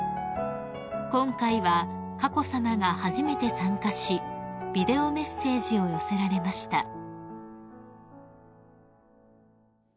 ［今回は佳子さまが初めて参加しビデオメッセージを寄せられました］